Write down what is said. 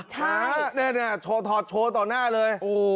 ใช่เนี่ยถอดต่อหน้าเลย